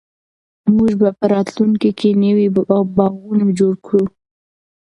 موږ به په راتلونکي کې نوي باغونه جوړ کړو.